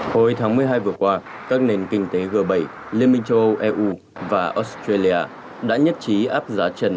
hồi tháng một mươi hai vừa qua các nền kinh tế g bảy liên minh châu âu eu và australia đã nhất trí áp giá trần